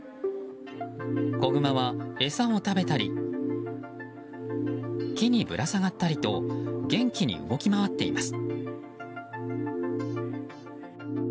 子グマは餌を食べたり木にぶら下がったりと元気に動き回っています。